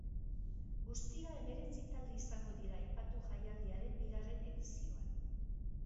Guztira hemeretzi talde izango dira aipatu jaialdiaren bigarren edizioan.